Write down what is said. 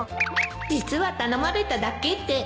実は頼まれただけで